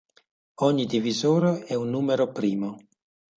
Ogni divisore è un numero primo.